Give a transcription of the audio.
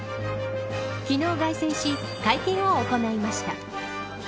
昨日、凱旋し会見を行いました。